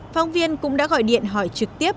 phong viên cũng đã gọi điện hỏi trực tiếp